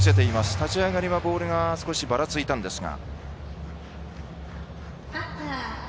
立ち上がりはボールが少しばらついたんですが。